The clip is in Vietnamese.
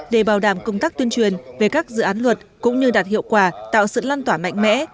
để bảo đảm công tác tuyên truyền về các dự án luật cũng như đạt hiệu quả tạo sự lan tỏa mạnh mẽ